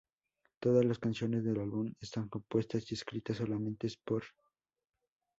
Todas las canciones del álbum están compuestas y escritas solamente por Mr.